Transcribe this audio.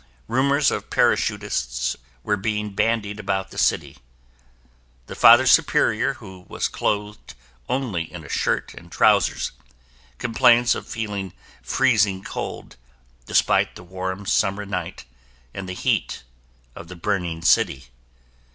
Rumors of parachutists were being bandied about the city. The Father Superior who was clothed only in a shirt and trousers, complains of feeling freezing cold, despite the warm summer night and the heat of the burning city.